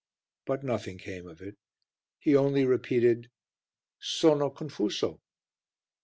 But nothing came of it; he only repeated "Sono confuso."